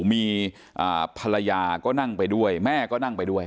มีภรรยาก็นั่งไปด้วยแม่ก็นั่งไปด้วย